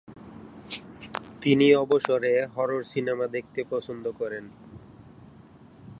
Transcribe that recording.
তিনি অবসরে horror cinema দেখতে পছন্দ করেন।